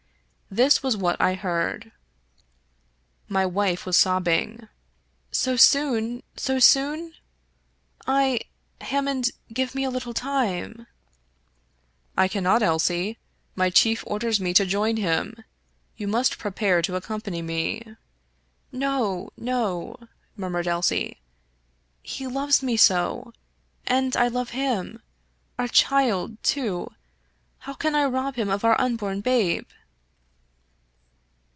This was what I heard. My wife was sobbing. " So soon — so soon ? I — Ham mond, give me a little time !"" I cannot, Elsie. My chief orders me to join him. You must prepare to "accompany me." " No, no !" murmured Elsie. " He loves me so ! And I love him. Our child, too— how can I rob him of our unborn babe